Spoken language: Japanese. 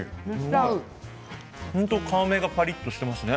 皮目がパリっとしていますね。